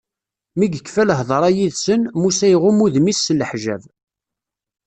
Mi yekfa lhedṛa yid-sen, Musa iɣumm udem-is s leḥǧab.